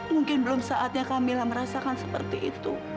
mungkin belum saatnya kamila merasakan seperti itu